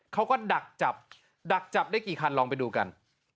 เขาก็ดักจับดักจับได้กี่คันลองไปดูกัน